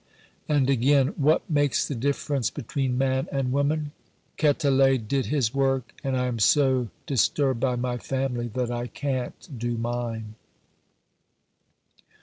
And again: "What makes the difference between man and woman? Quetelet did his work, and I am so disturbed by my family that I can't do mine."